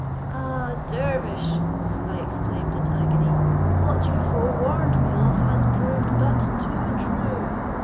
"Ah! dervish," I exclaimed in agony, "what you forewarned me of has proved but too true.